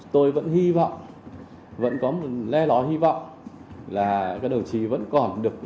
tôi vẫn hy vọng vẫn có một le ló hy vọng là các đồng chí vẫn còn được